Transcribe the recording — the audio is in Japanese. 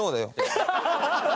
ハハハハ！